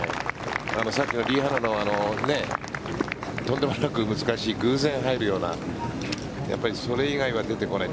さっきのリ・ハナのとんでもなく難しい偶然入るようなそれ以外は出てこない。